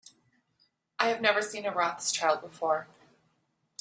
I have never seen a Rothschild before.